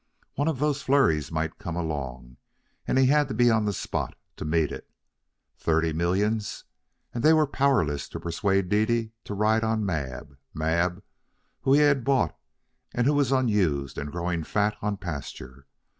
One of those flurries might come along, and he had to be on the spot to meet it. Thirty millions! And they were powerless to persuade Dede to ride on Mab Mab, whom he had bought, and who was unused and growing fat on pasture.